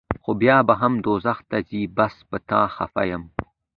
خو بیا به هم دوزخ ته ځې بس پۀ تا خفه يم